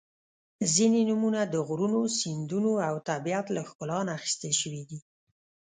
• ځینې نومونه د غرونو، سیندونو او طبیعت له ښکلا نه اخیستل شوي دي.